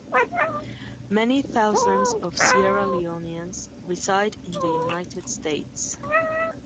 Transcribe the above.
Many thousands of Sierra Leoneans reside in the United States.